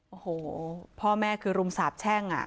โอ้โหพ่อแม่คือรุมสาบแช่ง